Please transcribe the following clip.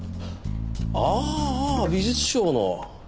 ああああ美術商の。